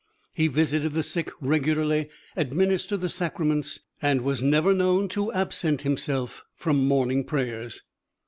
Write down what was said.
He visited the sick, regularly administered the sacraments, and was never known to absent himself from morning prayers.